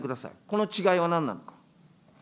この違いは何なのか。